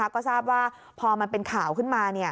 ก็ทราบว่าพอมันเป็นข่าวขึ้นมา